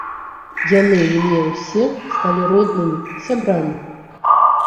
Яны мне ўсе сталі роднымі, сябрамі.